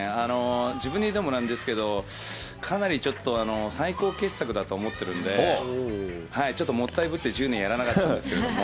自分で言うのもなんですけど、かなりちょっと、最高傑作だと思ってるんで、ちょっともったいぶって１０年やらなかったんですけれども。